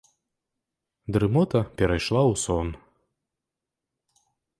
Дрымота перайшла ў сон.